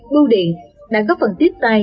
bưu điện đã có phần tiếp tay